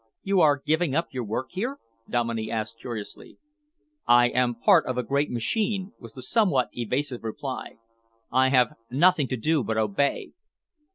"You are giving up your work here?" Dominey asked curiously. "I am part of a great machine," was the somewhat evasive reply. "I have nothing to do but obey."